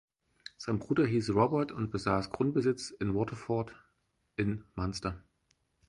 Sein Bruder hieß Robert und besaß Grundbesitz in Waterford in Munster.